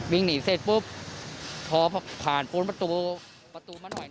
วิ่งหนีเสร็จปุ๊บพอผ่านประตูมาหน่อย